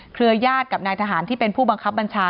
เครือญาติกับนายทหารที่เป็นผู้บังคับบัญชา